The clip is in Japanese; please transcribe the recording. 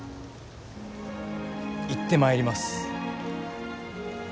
行ってまいります。